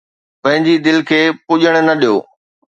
پنهنجي دل کي ڀڄڻ نه ڏيو